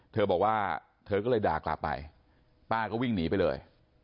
เธอบอกว่าเธอก็เลยด่ากลับไปป้าก็วิ่งหนีไปเลย